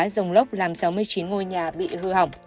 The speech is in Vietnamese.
rông lốc làm sáu mươi chín ngôi nhà bị hư hỏng